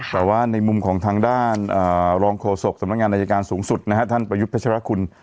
แต่ว่าในมุมของทางด้านรองโฆษกสำนักงานอายการสูงสุดนะฮะท่านประยุทธ์พัชรคุณ